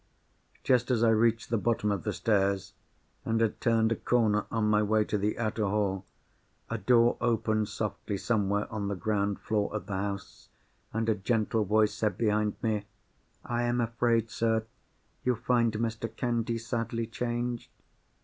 Just as I reached the bottom of the stairs, and had turned a corner on my way to the outer hall, a door opened softly somewhere on the ground floor of the house, and a gentle voice said behind me:— "I am afraid, sir, you find Mr. Candy sadly changed?"